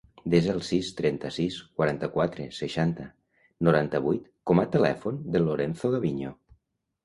Desa el sis, trenta-sis, quaranta-quatre, seixanta, noranta-vuit com a telèfon del Lorenzo Gaviño.